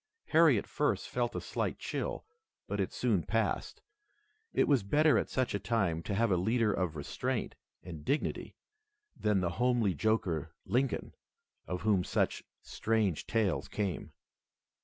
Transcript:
Harry at first felt a slight chill, but it soon passed. It was better at such a time to have a leader of restraint and dignity than the homely joker, Lincoln, of whom such strange tales came.